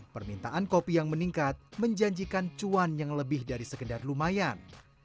permintaan kopi yang meningkat menjanjikan cuan yang lebih dari sekedar lumayan